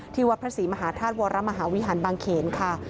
วัดพระศรีมหาธาตุวรมหาวิหารบางเขนค่ะ